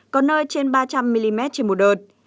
có nơi trên ba trăm linh mm trên một đợt